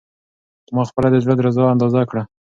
ما خپله د زړه درزا اندازه کړه.